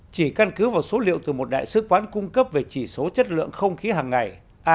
chỉ căn cứ vào số liệu từ một đại sứ quán cung cấp về chỉ số chất lượng không khí hàng ngày